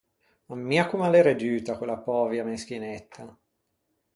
Ammia comm’a l’é reduta quella pövea meschinetta.